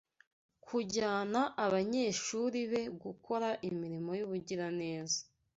kujyana abanyeshuri be gukora imirimo y’ubugiraneza.